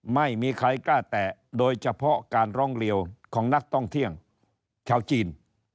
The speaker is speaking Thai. ไม่มีใครกล้าแตะโดยเฉพาะการร้องเรียวของนักท่องเที่ยวชาวจีน